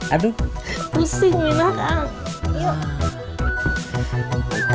aduh pusing minah kang